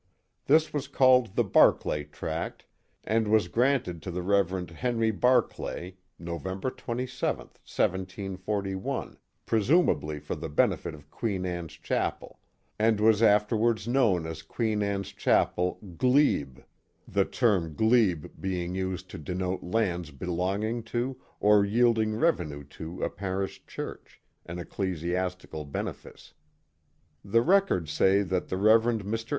I'his was called the Barclay tract and was granted to the Rev. Henry Barclay, November 27,1741, presumably for the benefit of Queen Anne's Chapel, and was afterwards known as Queen Anne's Chapel, glebe," the term 86 The Mohawk Valley glebe being used to denote lands belonging to, or yielding revenue to a parish church, an ecclesiastical benefice. The records say that the Rev. Mr.